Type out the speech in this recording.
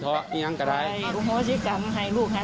ก็เป็นพี่นองกันกับเขาเราก็เลยถือโกรธเคี้ยง